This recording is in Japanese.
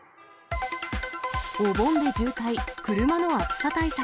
お盆で渋滞、車の暑さ対策。